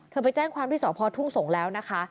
ไปแจ้งความที่สพทุ่งสงศ์แล้วนะคะ